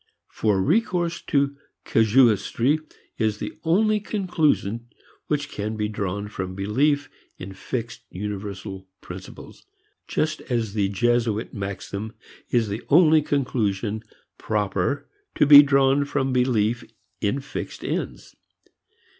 For recourse to casuistry is the only conclusion which can be drawn from belief in fixed universal principles, just as the Jesuit maxim is the only conclusion proper to be drawn from belief in fixed ends.